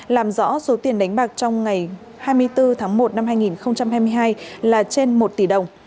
làm rõ số tiền đánh bạc trong ngày hai mươi bốn tháng một năm hai nghìn hai mươi hai là trên một tỷ đồng